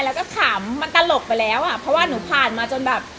แล้วก็ขำมันตลกไปแล้วอ่ะเพราะว่าหนูผ่านมาจนแบบ